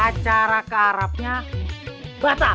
acara ke arabnya batal